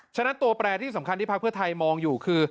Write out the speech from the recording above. ฉะนั้นตัวแปรที่สำคัญที่พักเพื่อไทยมองอยู่คือ